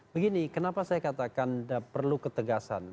begini kenapa saya katakan perlu ketegasan